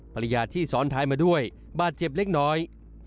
ภรรยาที่ซ้อนท้ายมาด้วยบาดเจ็บเล็กน้อย